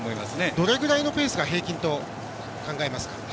どれぐらいのペースが平均と考えられますか？